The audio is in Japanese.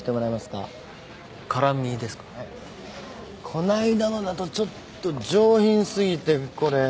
こないだのだとちょっと上品過ぎてこれ。